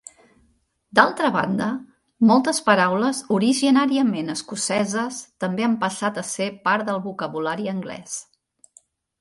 D'altra banda, moltes paraules originàriament escoceses també han passat a ser part del vocabulari anglès.